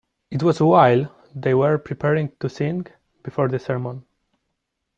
It was while they were preparing to sing, before the sermon.